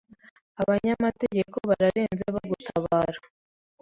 Abanyamategeko bararenze bagutabara